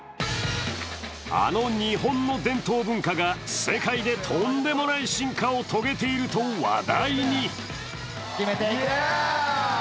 あの日本の伝統文化が世界でとんでもない進化を遂げていると話題に。